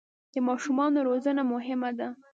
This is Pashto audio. د ماشومانو روزنه مهمه ده.